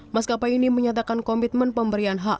mas kapai ini menyatakan komitmen pemberian hak